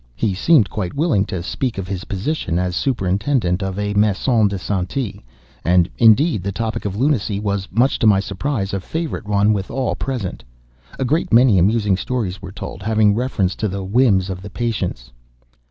He seemed quite willing to speak of his position as superintendent of a_Maison de Santé_; and, indeed, the topic of lunacy was, much to my surprise, a favorite one with all present. A great many amusing stories were told, having reference to the whims of the patients.